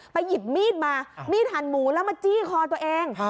หยิบมีดมามีดหันหมูแล้วมาจี้คอตัวเอง